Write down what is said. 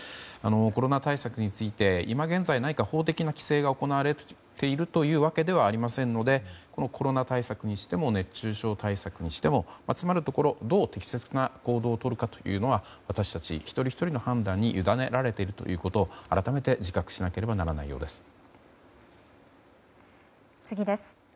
コロナ対策について今現在、何か法的な規制が行われているというわけではありませんのでコロナ対策にしても熱中症対策にしてもつまるところどう適切な行動をとるかというのは私たち一人ひとりの判断に委ねられているということを改めて自覚しなくてはならないようです。次です。